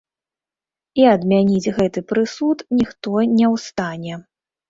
І адмяніць гэты прысуд ніхто не ў стане.